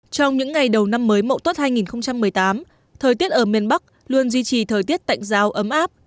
trong những ngày đầu năm mới mậu tuất hai nghìn một mươi tám thời tiết ở miền bắc luôn duy trì thời tiết tạnh giáo ấm áp